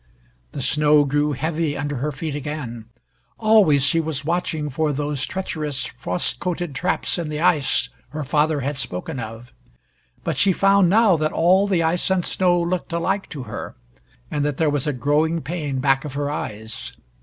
The snow grew heavy under her feet again. Always she was watching for those treacherous, frost coated traps in the ice her father had spoken of. But she found now that all the ice and snow looked alike to her, and that there was a growing pain back of her eyes.